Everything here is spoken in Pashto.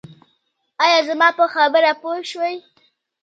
ایا زما په خبره پوه شوئ؟